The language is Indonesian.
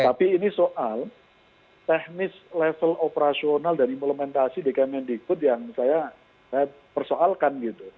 tapi ini soal teknis level operasional dan implementasi dekan mendi kut yang saya persoalkan gitu